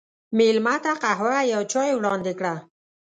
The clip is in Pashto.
مېلمه ته قهوه یا چای وړاندې کړه.